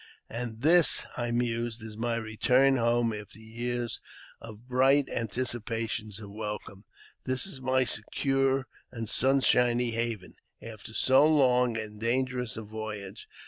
And this, I mused, is my return home after years of bright anticipations of welcome ! This is my secure and sunshiny haven, after so long and dangerous a voyage